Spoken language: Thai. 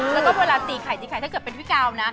แล้วก็เวลาตีไข่ตีไข่ถ้าเกิดเป็นพี่กาวนะ